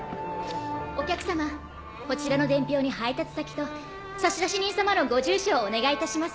お客様こちらの伝票に配達先と差出人様のご住所をお願いいたします。